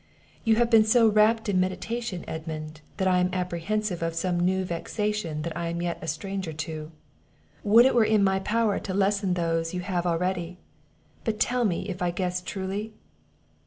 "You have been so wrapt in meditation, Edmund, that I am apprehensive of some new vexation that I am yet a stranger to. Would it were in my power to lessen those you have already! But tell me if I guess truly?"